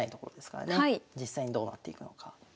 実際にどうなっていくのか。